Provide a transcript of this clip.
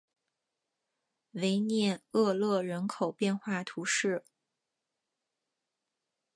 维涅厄勒人口变化图示